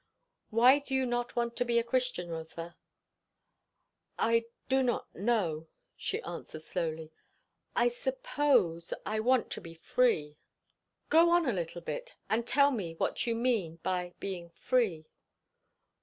"Why do you not want to be a Christian, Rotha?" "I do not know," she answered slowly. "I suppose, I want to be free." "Go on a little bit, and tell me what you mean by being 'free.'"